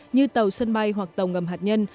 như tàu sân bay hoặc tàu ngầm hạt nhân